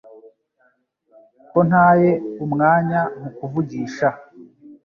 ko ntaye umwanya mukuvugisha